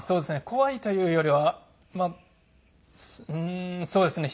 怖いというよりはうーんそうですね。